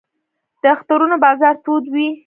د اخترونو بازار تود وي